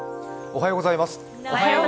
おはようございます。